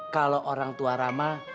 kalau orang tua rama